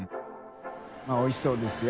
泙おいしそうですよ。